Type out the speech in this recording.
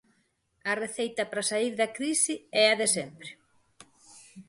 A receita para saír da crise é a de sempre.